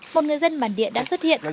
một người dân bản địa đã xuất hiện